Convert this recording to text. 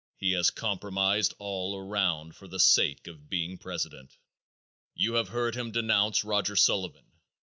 He has compromised all around for the sake of being president. You have heard him denounce Roger Sullivan.